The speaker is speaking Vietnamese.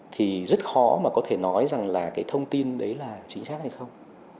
thì rất khó mà có thể nói rằng là cái thông tin đấy là chính xác hay không